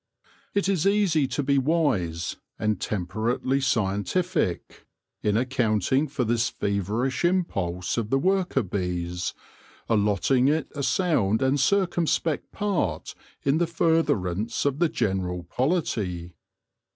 It is easy to be wise, and temperately scientific, in accounting for this feverish impulse of the worker bees, allotting it a sound and circumspect part in the furtherance of the general polity.